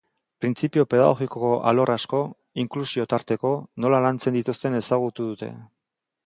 Printzipio pedagogikoko alor asko, inklusioa tarteko, nola lantzen dituzten ezagutu dute.